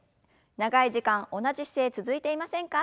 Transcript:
長い時間同じ姿勢続いていませんか？